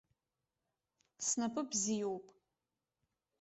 Снапы бзиоуп.